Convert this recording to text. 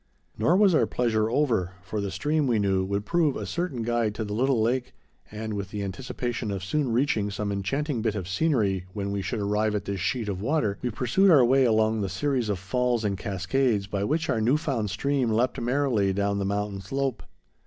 ] Nor was our pleasure over, for the stream, we knew, would prove a certain guide to the little lake, and, with the anticipation of soon reaching some enchanting bit of scenery when we should arrive at this sheet of water, we pursued our way along the series of falls and cascades by which our new found stream leapt merrily down the mountain slope.